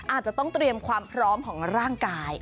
อาจจะต้องเตรียมความพร้อมของร่างกาย